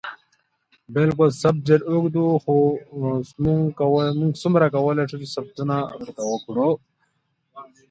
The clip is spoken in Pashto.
تر زبېښونکو بنسټونو لاندې اقتصادي وده ممکنه ده.